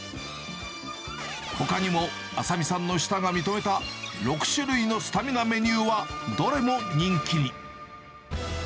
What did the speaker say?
ほかにも、麻美さんの舌が認めた６種類のスタミナメニューは、どれも人気に。